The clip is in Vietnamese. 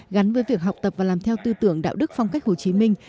gắn với việc học tập và làm theo tư tưởng đạo đức phong cách hồ chí minh